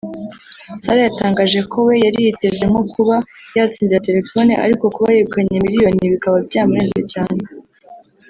Sarah yatangaje ko we yari yiteze nko kuba yatsindira telefoni ariko kuba yegukanye miliyoni bikaba byamurenze cyane